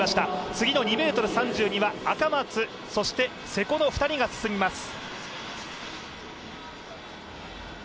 次の２ｍ３２は赤松、瀬古の２人が進みます。